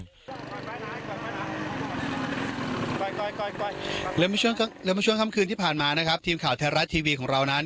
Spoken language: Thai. และเมื่อช่วงค่ำคืนที่ผ่านมานะครับทีมข่าวไทยรัฐทีวีของเรานั้น